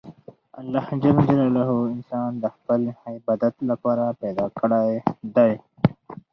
الله جل جلاله انسان د خپل عبادت له پاره پیدا کړى دئ.